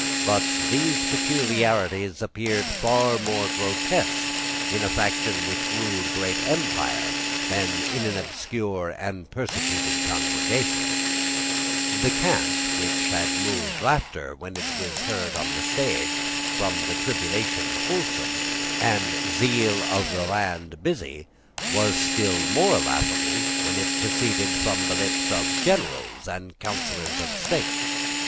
But these peculiarities appeared far more grotesque in a faction which ruled a great empire than in obscure and persecuted congregations. The cant, which had moved laughter when it was heard on the stage from Tribulation Wholesome and Zeal of the Land Busy, was still more laughable when it proceeded from the lips of Generals and Councillors of State.